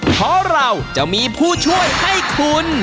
เพราะเราจะมีผู้ช่วยให้คุณ